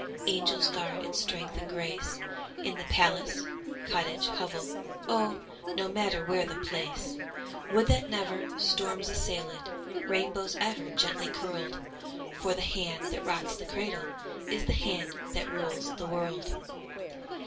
Angels guard its strength and grace, In the palace, cottage, hovel, Oh, no matter where the place; Would that never storms assailed it, Rainbows ever gently curled; For the hand that rocks the cradle Is the hand that rules the world.